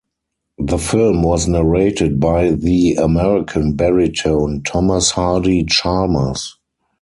The film was narrated by the American baritone Thomas Hardie Chalmers.